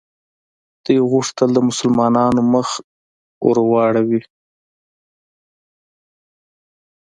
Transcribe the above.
دوی غوښتل د مسلمانانو مخه ور واړوي.